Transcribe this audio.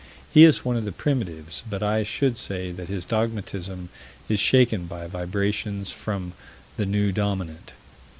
He is one of the primitives, but I should say that his dogmatism is shaken by vibrations from the new Dominant.